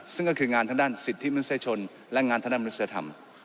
ซึ่งก็คืองานทางด้านสิทธิมนุษยชนและงานทางด้านมนุษยธรรม